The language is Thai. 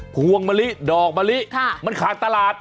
พวงมะลิดอกมะลิมันขาดตลาด